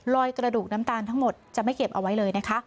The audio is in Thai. กระดูกน้ำตาลทั้งหมดจะไม่เก็บเอาไว้เลยนะคะ